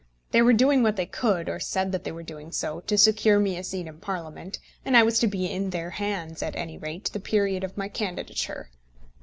They were doing what they could, or said that they were doing so, to secure me a seat in Parliament, and I was to be in their hands for at any rate the period of my candidature.